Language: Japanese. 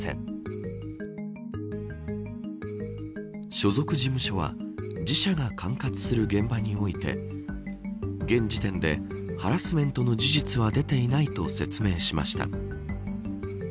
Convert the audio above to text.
所属事務所は自社が管轄する現場において現時点でハラスメントの事実は出ていないと説明しました。